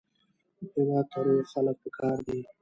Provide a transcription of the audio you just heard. هېواد ته روغ خلک پکار دي